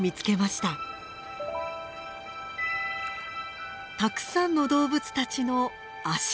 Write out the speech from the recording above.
たくさんの動物たちの足跡です。